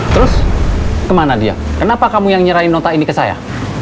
terus kemana dia kenapa kamu yang nyerahin nota ini ke saya